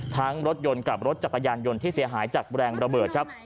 รถยนต์กับรถจักรยานยนต์ที่เสียหายจากแรงระเบิดครับ